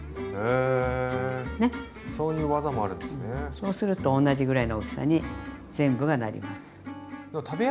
そうすると同じぐらいの大きさに全部がなります。